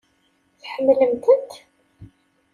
Tḥemmlem-tent?